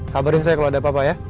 kabarin saya kalau ada apa apa ya